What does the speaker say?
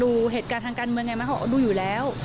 ดูเหตุการณ์ทางการเมืองอย่างไรมั้ยเขาก็ดูอยู่แล้ว